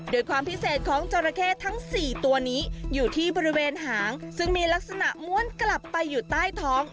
โดยความพิเศษของจราเข้ทั้ง๔ตัวนี้อยู่ที่บริเวณหางซึ่งมีลักษณะม้วนกลับไปอยู่ใต้ท้อง